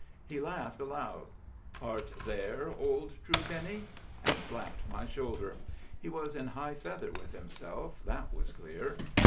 He laughed aloud. "Art there, old truepenny?" and slapped my shoulder. He was in high feather with himself, that was clear.